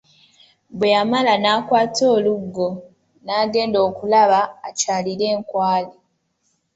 Bwe yamala, n'akwata oluggo n'agenda okulaba akyalire enkwale.